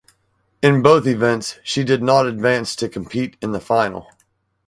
In both events she did not advance to compete in the final.